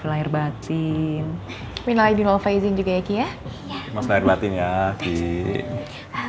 player batin minalai di nova izin juga ya iya masalah batin ya